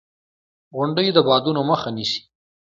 • غونډۍ د بادونو مخه نیسي.